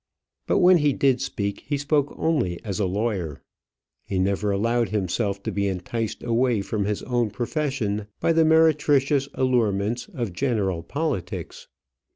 But when he did speak, he spoke only as a lawyer. He never allowed himself to be enticed away from his own profession by the meretricious allurements of general politics.